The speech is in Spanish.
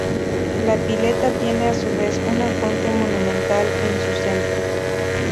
La pileta tiene a su vez una fuente monumental en su centro.